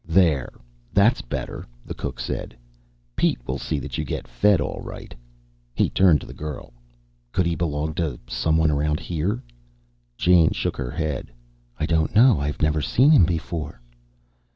"There, that's better," the cook said. "Pete will see that you get fed all right." He turned to the girl. "Could he belong to someone around here?" Jane shook her head. "I don't know. I've never seen him before."